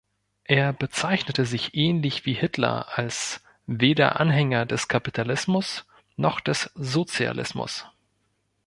Er bezeichnete sich ähnlich wie Hitler als „weder Anhänger des Kapitalismus noch des Sozialismus“.